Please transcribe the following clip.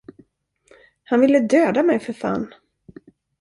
Han ville döda mig, för fan!